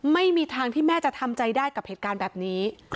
ไม่มีทางที่แม่จะทำใจได้กับเหตุการณ์แบบนี้